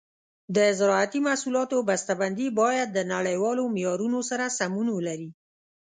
د زراعتي محصولاتو بسته بندي باید د نړیوالو معیارونو سره سمون ولري.